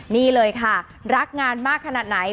นี่เลยค่ะรักงานมากขนาดไหน